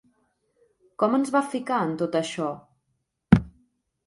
Com ens va ficar en tot això?